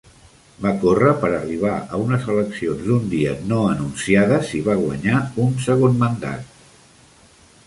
Va córrer per arribar a unes eleccions d'un dia no anunciades i va "guanyar" un segon mandat.